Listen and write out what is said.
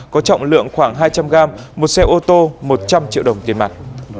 có trọng lượng khoảng hai trăm linh gram một xe ô tô một trăm linh triệu đồng tiền mặt